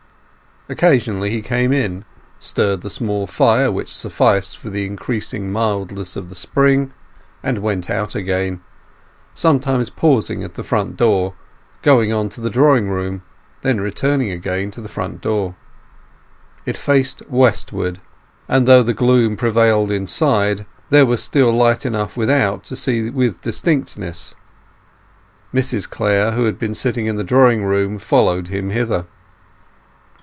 Occasionally he came in, stirred the small fire which sufficed for the increasing mildness of the spring, and went out again; sometimes pausing at the front door, going on to the drawing room, then returning again to the front door. It faced westward, and though gloom prevailed inside, there was still light enough without to see with distinctness. Mrs Clare, who had been sitting in the drawing room, followed him hither.